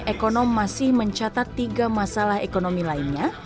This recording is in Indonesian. ekonom masih mencatat tiga masalah ekonomi lainnya